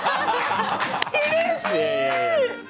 うれしい！